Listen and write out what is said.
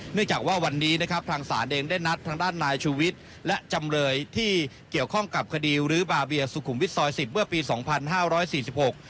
เนื่องจากว่าวันนี้นะครับทางศาลเองได้นัดทางด้านนายชูวิทย์และจำเลยที่เกี่ยวข้องกับคดีรื้อบาเบียสุขุมวิทย์ซอยสิบเมื่อปีสองพันห้าร้อยสี่สิบหก